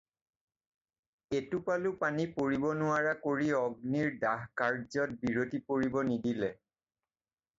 এটোপালো পানী পৰিব নোৱাৰা কৰি অগ্নিৰ দাহ কাৰ্যত বিৰতি পৰিব নিদিলে।